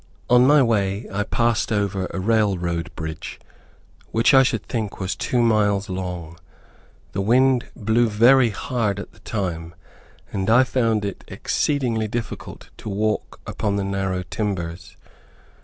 On my way I passed over a railroad bridge, which I should think was two miles long. The wind blew very hard at the time, and I found it exceedingly difficult to walk upon the narrow timbers.